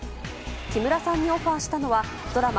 木村さんにオファーしたのはドラマ